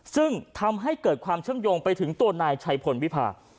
ซึ่งทำให้เกิดความเชื่อมโยงไปถึงตัวนายชัยพลวิพา